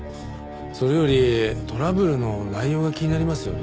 それよりトラブルの内容が気になりますよね。